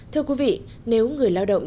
thưa quý vị nếu người lao động